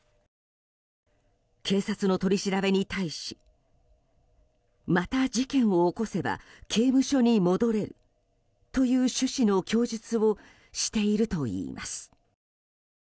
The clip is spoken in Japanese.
警察の取り調べに対しまた事件を起こせば刑務所に戻れるという趣旨の供述をしているといいます。